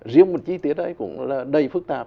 riêng một chi tiết ấy cũng là đầy phức tạp